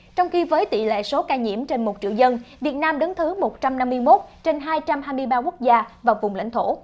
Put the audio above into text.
trong khi với tỷ lệ số ca nhiễm trên một triệu dân việt nam đứng thứ một trăm năm mươi một trên hai trăm hai mươi ba quốc gia và vùng lãnh thổ